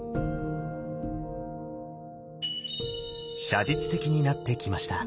写実的になってきました。